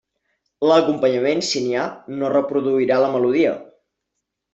L'acompanyament, si n'hi ha, no reproduirà la melodia.